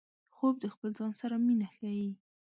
خوب د خپل ځان سره مینه ښيي